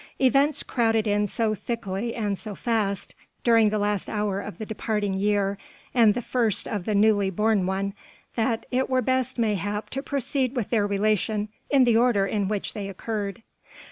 Events crowded in so thickly and so fast, during the last hour of the departing year, and the first of the newly born one, that it were best mayhap to proceed with their relation in the order in which they occurred.